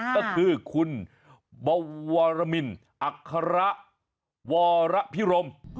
ก็คือคุณบวรมินอัคระวรพิรม